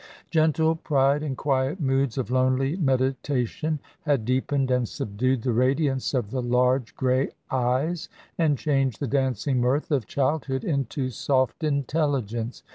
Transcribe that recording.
Gentle pride and quiet moods of lonely meditation had deepened and subdued the radiance of the large grey eyes, and changed the dancing mirth of childhood into soft intelligence.